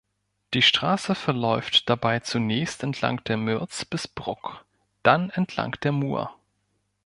Die Straße verläuft dabei zunächst entlang der Mürz bis Bruck, dann entlang der Mur.